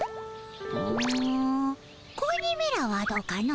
うん子鬼めらはどうかの？